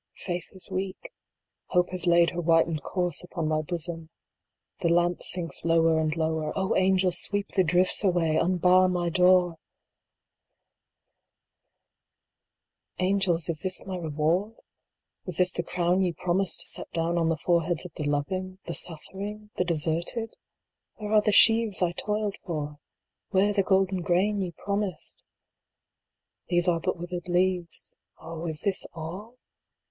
Faith is weak. Hope has laid her whitened corse upon my bosom. The lamp sinks lower and lower. O angels ! sweep the drifts away unbar my door ! III. Angels, is this my reward ? Is this the crown ye promised to set down on the fore heads of the loving the suffering the deserted? Where are the sheaves I toiled for ? Where the golden grain ye promised ? These are but withered leaves. Oh, is this all